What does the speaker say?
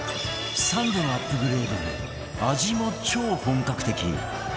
３度のアップグレードで味も超本格的